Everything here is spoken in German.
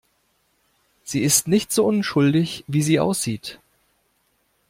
Sie ist nicht so unschuldig, wie sie aussieht.